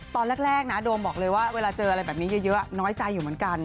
ตอนแรกนะโดมบอกเลยว่าเวลาเจออะไรแบบนี้เยอะน้อยใจอยู่เหมือนกัน